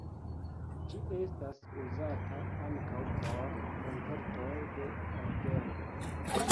Ĝi estas uzata ankaŭ por koncertoj de orgeno.